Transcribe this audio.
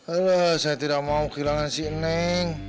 allah saya tidak mau kehilangan si neng